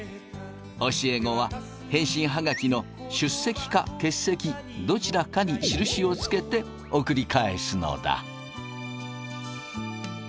教え子は返信ハガキの出席か欠席どちらかに印をつけて送り返すのだ。